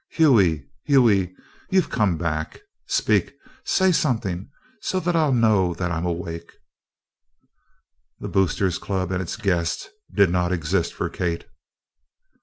"Hughie! Hughie! You've come back. Speak say something so I'll know that I'm awake." The Boosters' Club and its guests did not exist for Kate.